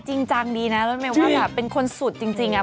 จริงแบบเป็นคนสุดจริงอะ